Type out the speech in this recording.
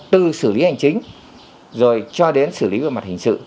từ xử lý hành chính rồi cho đến xử lý về mặt hình sự